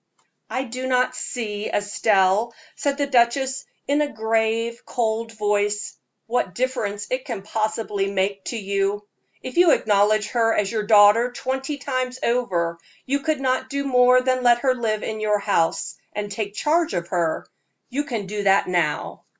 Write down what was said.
"I do not see, Estelle," said the duchess, in a grave, cold voice, "what difference it can possibly make to you. If you acknowledge her as your daughter twenty times over, you could not do more than let her live in your house, and take charge of her. You can do that now."